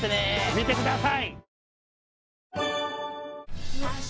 見てください。